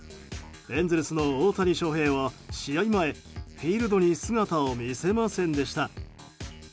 エンゼルスの大谷翔平は試合前、フィールドに姿を見せませんでした。